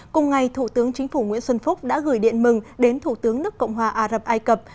cùng ngày thủ tướng chính phủ nguyễn xuân phúc đã gửi điện mừng đến thủ tướng nước cộng hòa ả rập ai cập